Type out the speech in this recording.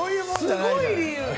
すごい理由。